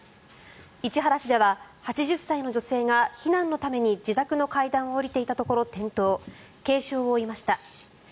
市原市では８０歳の女性が避難のために自宅の階段を下りていたところ転倒軽傷を負いました。